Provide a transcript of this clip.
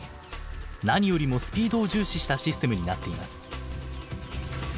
何よりもスピードを重視したシステムになっています。